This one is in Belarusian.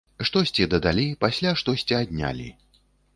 Штосьці дадалі, пасля штосьці аднялі.